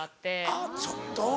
あっちょっと！